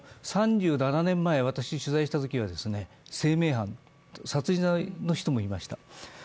３７年前、私が取材したときは生命犯殺人の人もいました。